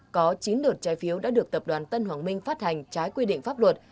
có chín đợt trái phiếu đã được tập đoàn tân hoàng minh phát hành trái quy định pháp luật